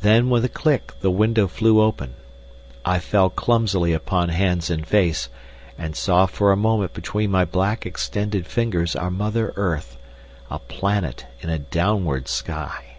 Then with a click the window flew open. I fell clumsily upon hands and face, and saw for a moment between my black extended fingers our mother earth—a planet in a downward sky.